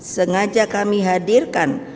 sengaja kami hadirkan